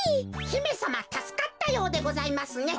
ひめさまたすかったようでございますね。